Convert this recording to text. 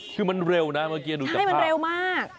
คือมันเร็วนะเมื่อกี้อย่างหนูจะพาใช่มันเร็วมาก